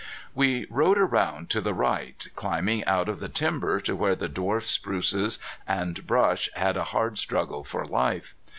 We rode around to the right, climbing out of the timber to where the dwarf spruces and brush had a hard struggle for life.